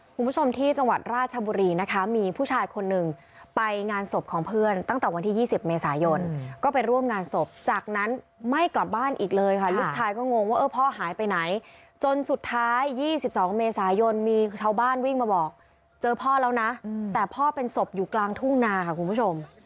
คุณผู้ชมที่จังหวัดราชบุรีนะคะมีผู้ชายคนหนึ่งไปงานศพของเพื่อนตั้งแต่วันที่๒๐เมษายนก็ไปร่วมงานศพจากนั้นไม่กลับบ้านอีกเลยค่ะลูกชายก็งงว่าเออพ่อหายไปไหนจนสุดท้าย๒๒เมษายนมีชาวบ้านวิ่งมาบอกเจอพ่อแล้วนะแต่พ่อเป็นศพอยู่กลางทุ่งนาค่ะคุณผู้ชม